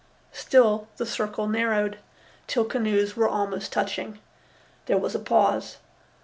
Still the circle narrowed, till canoes were almost touching. There was a pause.